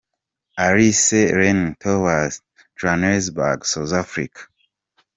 Alice Lane Towers, Johannesburg , South Africa.